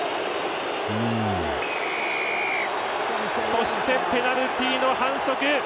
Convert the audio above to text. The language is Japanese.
そして、ペナルティの反則。